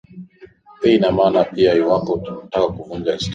Hii ina maana iwapo unataka kuvunja historia